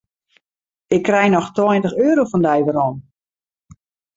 Ik krij noch tweintich euro fan dy werom.